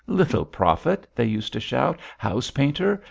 "Little Profit," they used to shout. "House painter!